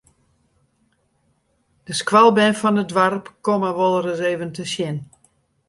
De skoalbern fan it doarp komme wolris even te sjen.